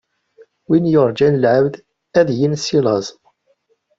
Win yuṛǧan lɛebd, ad yens i laẓ.